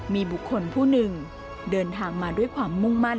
มีบุคคลผู้หนึ่งเดินทางมาด้วยความมุ่งมั่น